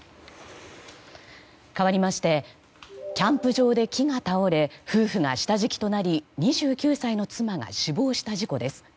かわりましてキャンプ場で木が倒れ夫婦が下敷きとなり２９歳の妻が死亡した事故です。